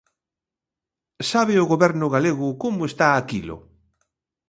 ¿Sabe o Goberno galego como está aquilo?